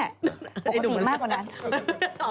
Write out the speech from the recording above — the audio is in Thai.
ปกติมากกว่านั้น